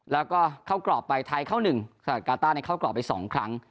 แล้วก็เข้ากรอบไปไทยเข้าหนึ่งกาต้าเข้ากรอบไปสองครั้ง